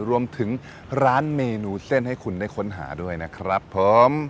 รวมถึงร้านเมนูเส้นให้คุณได้ค้นหาด้วยนะครับผม